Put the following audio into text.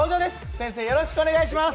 よろしくお願いします。